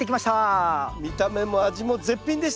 見た目も味も絶品でした！